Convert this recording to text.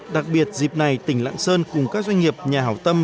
đặc biệt dịp này tỉnh lạng sơn cùng các doanh nghiệp nhà hảo tâm